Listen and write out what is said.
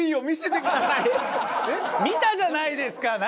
見たじゃないですか。